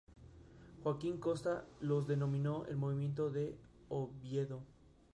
Joaquín Costa los denominó "El Movimiento de Oviedo".